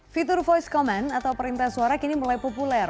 fitur voice command atau perintah suara kini mulai populer